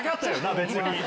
別に。